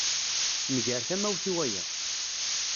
Nger tamawt i waya.